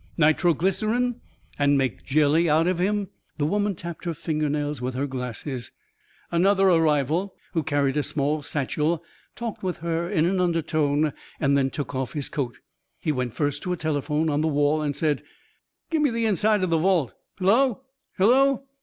"Nitroglycerin?" "And make jelly out of him?" The woman tapped her finger nails with her glasses. Another arrival, who carried a small satchel, talked with her in an undertone and then took off his coat. He went first to a telephone on the wall and said: "Gi' me the inside of the vault. Hello.... Hello?